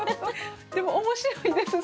でも面白いです